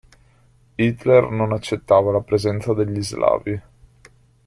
Hitler non accettava la presenza degli slavi.